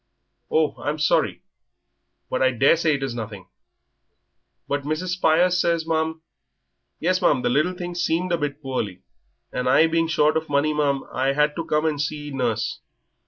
"Oh, I'm sorry. But I daresay it is nothing." "But Mrs. Spires says, ma'am " "Yes, ma'am, the little thing seemed a bit poorly, and I being short of money, ma'am, I had to come and see nurse.